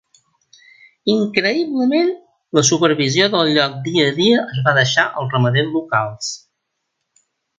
Increïblement, la supervisió del lloc dia a dia es va deixar als ramaders locals.